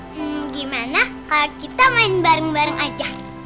hmm gimana kalau kita main bareng bareng aja